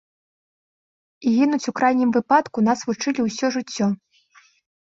І гінуць у крайнім выпадку нас вучылі ўсё жыццё.